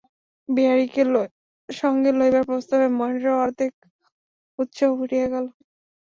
বিহারীকে সঙ্গে লইবার প্রস্তাবে মহেন্দ্রের অর্ধেক উৎসাহ উড়িয়া গেল।